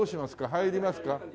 入りますか。